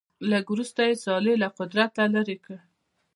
لږ وروسته یې صالح له قدرته لیرې کړ.